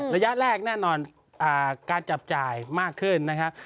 ระยะแรกแน่นอนการจับจ่ายมากขึ้นนะครับ